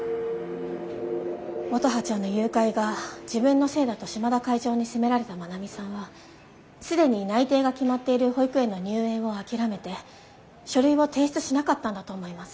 乙葉ちゃんの誘拐が自分のせいだと島田会長に責められた真奈美さんは既に内定が決まっている保育園の入園を諦めて書類を提出しなかったんだと思います。